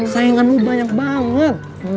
sayangan lu banyak banget